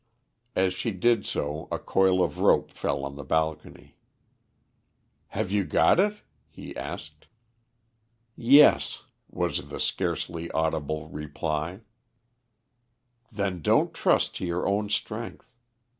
As she did so a coil of rope fell on the balcony. "Have you got it?" he asked. "Yes," was the scarcely audible reply. "Then don't trust to your own strength.